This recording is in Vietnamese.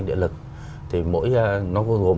địa lực thì mỗi nó gồm